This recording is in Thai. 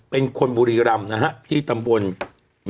เป็นคนบุรีรำนะฮะที่ตำบล